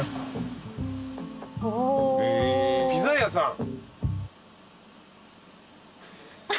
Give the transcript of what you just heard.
ピザ屋さん。